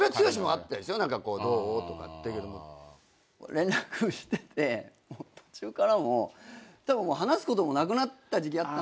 連絡してて途中から話すこともなくなった時期あったんですよ。